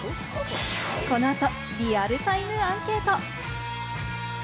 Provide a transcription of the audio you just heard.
この後、リアルタイムアンケート。